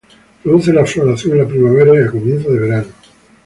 Produce la floración en la primavera y a comienzos de verano.